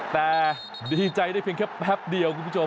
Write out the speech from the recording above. แต่ดีใจได้เพียงแค่แป๊บเดียวคุณผู้ชม